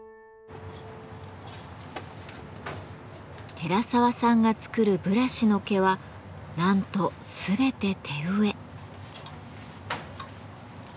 寺沢さんが作るブラシの毛はなんと全て手植え。